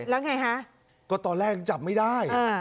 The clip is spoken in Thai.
แล้วไงฮะก็ตอนแรกยังจับไม่ได้